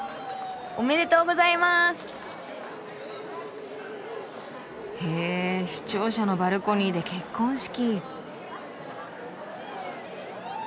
おめでとうございます！へ市庁舎のバルコニーで結婚式。